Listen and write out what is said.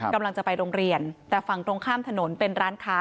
กำลังจะไปโรงเรียนแต่ฝั่งตรงข้ามถนนเป็นร้านค้า